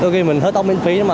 khi mình hết tóc miễn phí